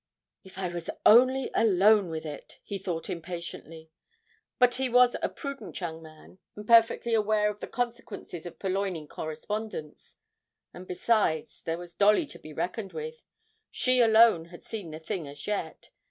'If I was only alone with it!' he thought impatiently. But he was a prudent young man, and perfectly aware of the consequences of purloining correspondence; and besides, there was Dolly to be reckoned with she alone had seen the thing as yet.